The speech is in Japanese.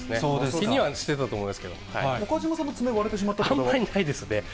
気にはしてたとは思いますけれど岡島さんも爪が割れてしまっあんまりないですね。